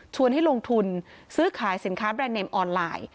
ให้ลงทุนซื้อขายสินค้าแบรนด์เนมออนไลน์